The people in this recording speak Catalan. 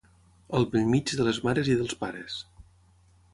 Al bell mig de les mares i dels pares.